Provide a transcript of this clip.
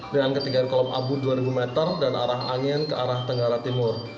dengan ketinggian kolom abu dua ribu meter dan arah angin ke arah tenggara timur